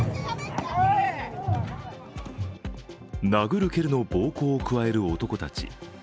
殴る蹴るの暴行を加える男たち。